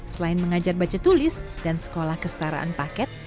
selain mengajar baca tulis dan sekolah kestaraan paket